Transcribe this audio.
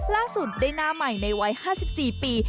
ล่าสุดได้หน้าใหม่ในวัย๕๔ปี